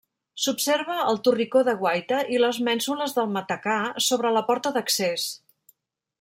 S'observa el torricó de guaita i les mènsules del matacà sobre la porta d'accés.